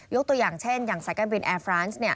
ตัวอย่างเช่นอย่างสายการบินแอร์ฟรานซ์